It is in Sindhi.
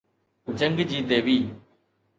جنگ جي ديوي